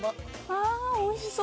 ああおいしそう。